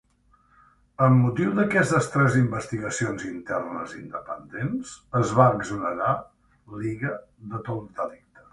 Amb motiu d'aquestes tres investigacions internes independents, es va exonerar Lyga de tot delicte.